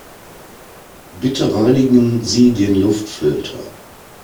Bitte reinigen Sie den Luftfilter.